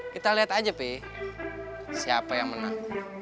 kita liat aja pi siapa yang menang